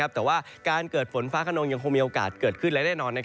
แต่ว่าการเกิดฝนฟ้าขนองยังคงมีโอกาสเกิดขึ้นและแน่นอน